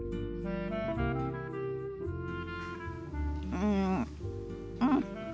うんうん。